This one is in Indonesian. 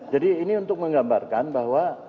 jadi ini untuk menggambarkan bahwa